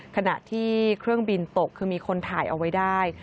ขณะที่เครื่องบินตกคือมีคนถ่ายเอาไว้ได้